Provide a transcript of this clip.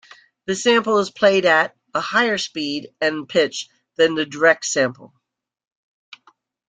The sample is played at a higher speed and pitch than the direct sample.